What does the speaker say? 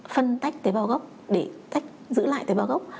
phân tách tế bảo gốc để tách giữ lại tế bảo gốc